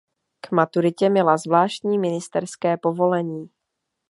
K maturitě měla zvláštní ministerské povolení.